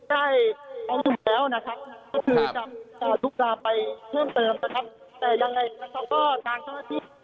ได้จนถึงแล้วคุณนฤทธิ์เพิ่มเติม